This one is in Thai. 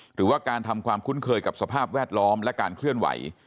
หรือว่าการทำความคุ้นเคยกับสภาพแวดล้อมและการเคลื่อนไหว